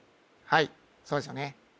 はいそうですよね